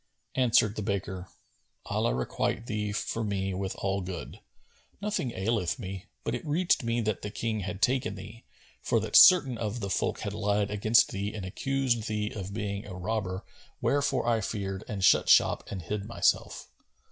Answered the baker, "Allah requite thee for me with all good! Nothing aileth me; but it reached me that the King had taken thee, for that certain of the folk had lied against thee and accused thee of being a robber wherefore I feared and shut shop and hid myself."